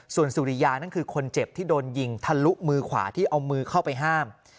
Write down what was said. ส่วนสุริยานั่นคือคนเจ็บที่โดนยิงทะลุมือขวาที่เอามือเข้าไปห้าม